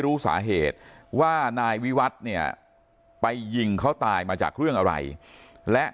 รู้สาเหตุว่านายวิวัฒน์เนี่ยไปยิงเขาตายมาจากเรื่องอะไรและ